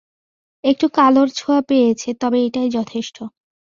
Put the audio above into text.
একটু কালোর ছোয়া পেয়েছে, তবে এটাই যথেষ্ট।